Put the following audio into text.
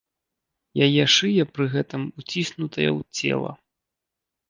Яе шыя пры гэтым уціснутая ў цела.